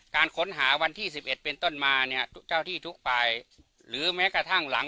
การค้นหาวันที่๑๑เป็นต้นมาเนี่ยทุกเจ้าที่ทุกฝ่ายหรือแม้กระทั่งหลัง